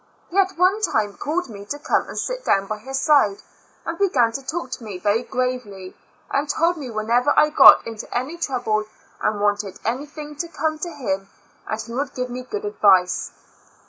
He at one time called me to come and sit down by his side, and began to talk to me very gravely, and told me whenever I got into any trouble and wanted anything, to come to him and* he would give me good IN A L UNA TIC A SYL U3I. *J \ advice.